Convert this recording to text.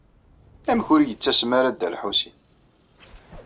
Amek ur yettasem ara Dda Lḥusin?